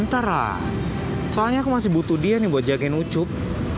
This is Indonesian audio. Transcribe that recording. ntar lah soalnya aku masih butuh dia nih buat jagain ucup